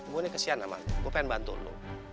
gua ini kesian sama lu gua pengen bantu lu